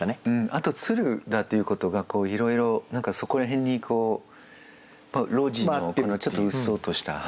あと蔓だということがこういろいろ何かそこら辺に路地のこのちょっとうっそうとした。